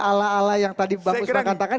ala ala yang tadi bang usman katakan